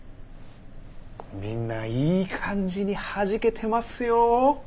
みんないい感じにはじけてますよ。